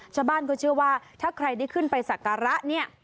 ชาวบ้านก็เชื่อว่าถ้าใครได้ขึ้นไปสักการะเนี่ย